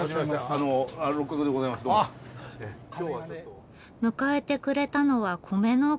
迎えてくれたのは米農家の阪さん。